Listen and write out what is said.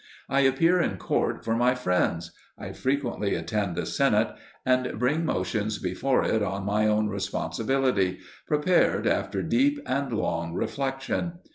I appear in court for my friends; I frequently attend the Senate and bring motions before it on my own responsibility, prepared after deep and long reflection.